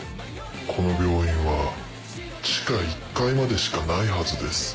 この病院は地下１階までしかないはずです。